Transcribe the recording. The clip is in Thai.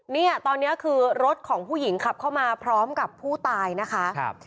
เนี่ยตอนนี้คือรถของผู้หญิงขับเข้ามาพร้อมกับผู้ตายนะคะ